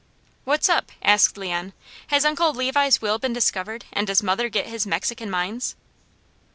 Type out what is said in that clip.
"What's up?" asked Leon. "Has Uncle Levi's will been discovered, and does mother get his Mexican mines?"